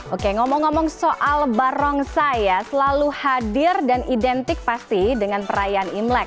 oke ngomong ngomong soal barongsai ya selalu hadir dan identik pasti dengan perayaan imlek